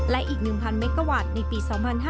และอีก๑๐๐เมกะวัตต์ในปี๒๕๕๙